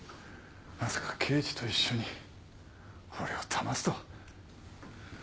まさか刑事と一緒に俺をだますとは。